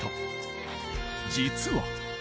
実は。